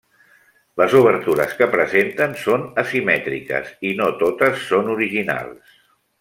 Les obertures que presenten són asimètriques i no totes són originals.